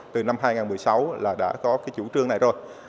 từ năm hai nghìn một mươi sáu là đã có cái chủ trương này rồi